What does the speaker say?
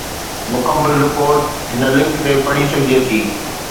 مڪمل رپورٽ هن لنڪ تي پڙهي سگهجي ٿي.